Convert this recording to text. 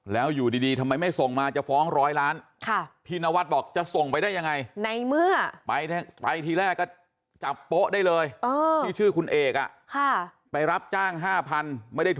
แล้วอยู่ดีดีทำไมไม่ส่งมาจะฟ้องร้อยล้านค่ะพินวัดบอกจะส่งไปได้ยังไง